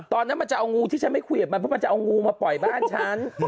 ตอนนั้นมันจะเอางูที่ฉันไม่คุยกับมันเพราะมันจะเอางูมาปล่อยบ้านฉัน